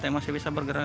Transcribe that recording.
tapi masih bisa bergerak